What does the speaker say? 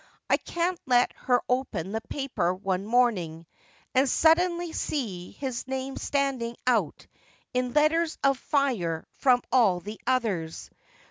I can't let her open the paper one morning, and suddenly see his name standing out in letters of fire from all the others.